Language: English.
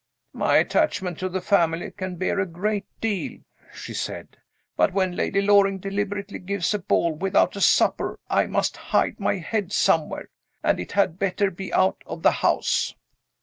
"My attachment to the family can bear a great deal," she said. "But when Lady Loring deliberately gives a ball, without a supper, I must hide my head somewhere and it had better be out of the house!"